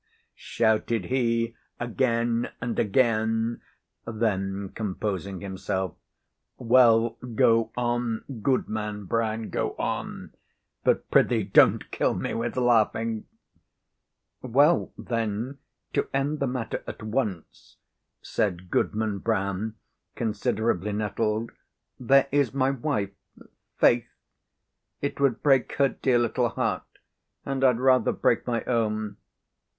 shouted he again and again; then composing himself, "Well, go on, Goodman Brown, go on; but, prithee, don't kill me with laughing." "Well, then, to end the matter at once," said Goodman Brown, considerably nettled, "there is my wife, Faith. It would break her dear little heart; and I'd rather break my own."